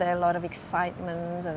apakah ada banyak kegembiraan